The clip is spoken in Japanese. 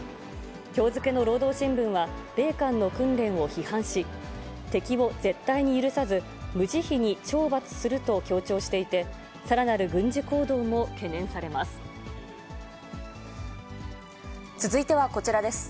きょう付けの労働新聞は、米韓の訓練を批判し、敵を絶対に許さず、無慈悲に懲罰すると強調していて、続いてはこちらです。